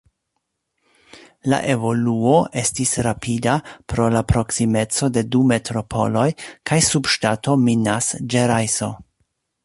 La evoluo estis rapida pro la proksimeco de du metropoloj kaj subŝtato Minas-Ĝerajso.